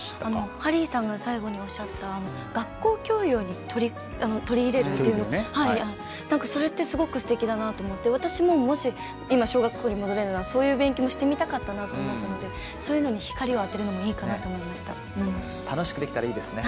ハリーさんが最後におっしゃった学校教養に取り入れるっていうのそれってすごくすてきだなと思って私ももし今、小学校に戻れるならそういう勉強もしてみたかったなと思ったのでそういうのに光を当てるのもいいかなと思いました。